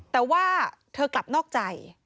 แต่ว่าเธอกลับนอกใจ